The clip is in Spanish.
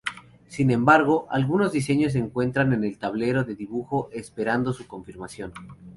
Sin embargo, algunos diseños se encuentran en el tablero de dibujo esperando su confirmación.